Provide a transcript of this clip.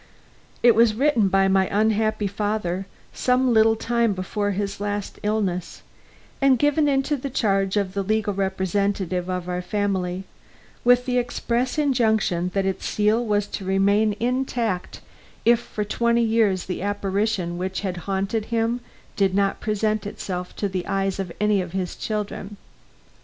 It was written by my unhappy father, some little time before his last illness, and given into the charge of the legal representative of our family, with the express injunction that its seal was to remain intact if for twenty years the apparition which had haunted him did not present itself to the eyes of any of his children.